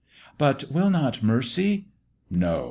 "But will not mercy?" No!